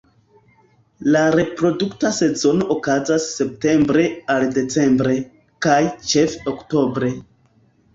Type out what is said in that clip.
La reprodukta sezono okazas septembre al decembre, kaj ĉefe oktobre.